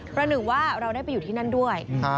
หนึ่งว่าเราได้ไปอยู่ที่นั่นด้วย